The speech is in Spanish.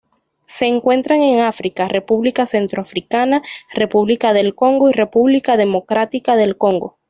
Se encuentran en África: República Centroafricana, República del Congo y República Democrática del Congo.